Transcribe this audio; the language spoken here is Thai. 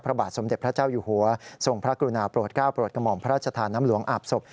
พระบาทสมเด็จพระเจ้าอยู่หัวทรงพระกรุณาโปรดก้าวโปรดกระหม่อมพระราชทานน้ำหลวงอาบศพ